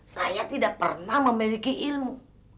saya tidak pernah memiliki ilmu